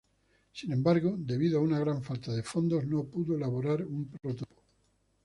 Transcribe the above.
Sin embargo debido a una gran falta de fondos no pudo elaborar un prototipo.